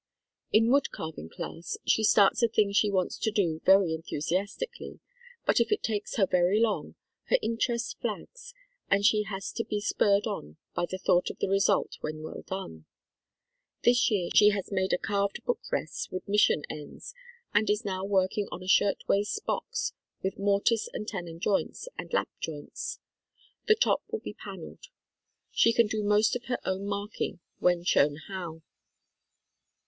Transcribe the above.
In wood carving class, she starts a thing she wants to do very enthusiastically, but if it takes her very long, her interest flags and she has to be spurred on by the thought of the result when well done. This year she has made a carved book rest with mission ends and is now working on a shirtwaist box with mortise and tenon joints and lap joints. The top will be paneled. She can do most of her own marking when shown how.